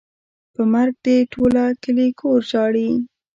پر مرګ دې ټوله کلي کور ژاړي.